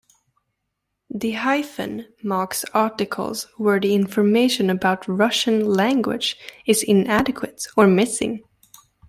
The "-" marks articles where the information about Russian language is inadequate or missing.